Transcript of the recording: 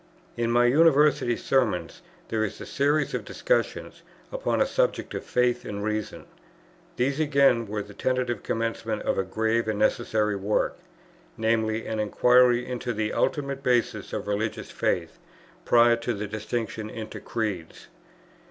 P. vii. In my University Sermons there is a series of discussions upon the subject of Faith and Reason; these again were the tentative commencement of a grave and necessary work, viz. an inquiry into the ultimate basis of religious faith, prior to the distinction into Creeds.